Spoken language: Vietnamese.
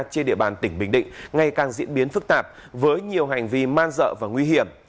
trên địa bàn tỉnh bình định ngày càng diễn biến phức tạp với nhiều hành vi man dợ và nguy hiểm